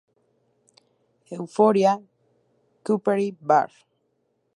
Euphorbia cooperi var.